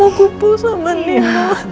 aku mau putus sama nila